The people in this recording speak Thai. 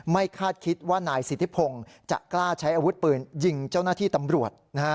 คาดคิดว่านายสิทธิพงศ์จะกล้าใช้อาวุธปืนยิงเจ้าหน้าที่ตำรวจ